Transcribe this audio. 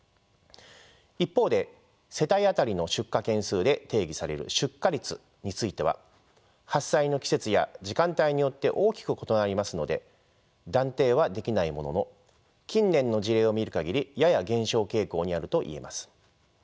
一方で世帯当たりの出火件数で定義される出火率については発災の季節や時間帯によって大きく異なりますので断定はできないものの近年の事例を見る限りやや減少傾向にあるといえます。